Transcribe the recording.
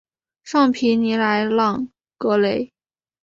尚皮尼莱朗格雷。